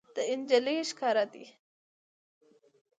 د انجلۍ کوس ښکاره دی